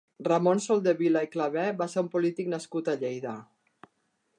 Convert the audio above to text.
Ramon Soldevila i Claver va ser un polític nascut a Lleida.